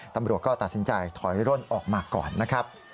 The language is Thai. ตำรวจก็ตัดสินใจถอยร่นออกมาก่อนนะครับ